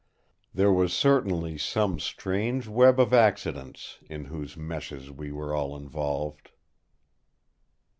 There was certainly some strange web of accidents, in whose meshes we were all involved.